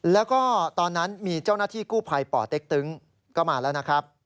แล้วก็ตอนนั้นมีเจ้าหน้าที่กู้ภัยป่อเต็กตึงก็มาแล้วนะครับ